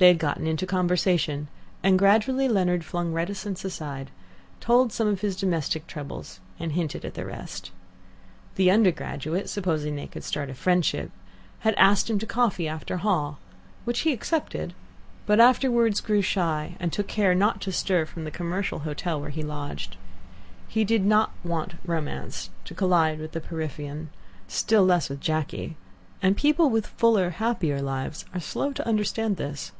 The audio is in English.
They had got into conversation, and gradually Leonard flung reticence aside, told some of his domestic troubles, and hinted at the rest. The undergraduate, supposing they could start a friendship, asked him to "coffee after hall," which he accepted, but afterwards grew shy, and took care not to stir from the commercial hotel where he lodged. He did not want Romance to collide with the Porphyrion, still less with Jacky, and people with fuller, happier lives are slow to understand this.